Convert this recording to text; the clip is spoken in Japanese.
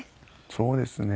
そうですね。